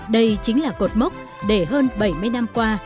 đây chính là cột mốc để hơn bảy mươi năm qua